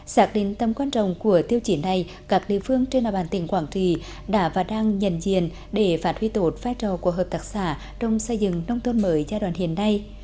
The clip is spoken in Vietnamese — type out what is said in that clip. xác định tâm quan trọng của tiêu chí này các địa phương trên địa bàn tỉnh quảng trì đã và đang nhận diện để phát huy tốt vai trò của hợp tác xã trong xây dựng nông thôn mới giai đoạn hiện nay